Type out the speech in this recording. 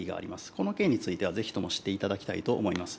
この件についてはぜひとも知っていただきたいと思います。